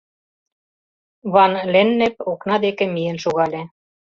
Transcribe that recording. Ван-Леннеп окна деке миен шогале.